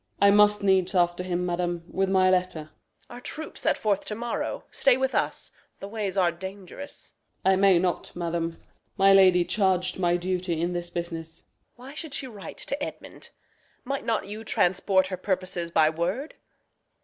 Osw. I must needs after him, madam, with my letter. Reg. Our troops set forth to morrow. Stay with us. The ways are dangerous. Osw. I may not, madam. My lady charg'd my duty in this business. Reg. Why should she write to Edmund? Might not you Transport her purposes by word?